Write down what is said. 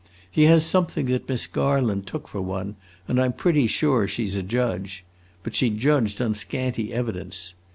He has something that Miss Garland took for one, and I 'm pretty sure she 's a judge. But she judged on scanty evidence.